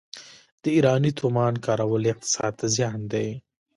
د ایراني تومان کارول اقتصاد ته زیان دی.